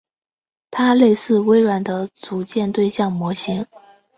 它类似微软的组件对象模型。